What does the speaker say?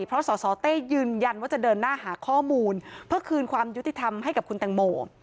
เพราะสสเต้ยืนยันว่าจะเดินหน้าหาข้อมูลเพื่อคืนความยุติธรรมให้กับคุณแตงโม